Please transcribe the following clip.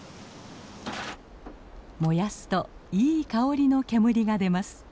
燃やすといい香りの煙が出ます。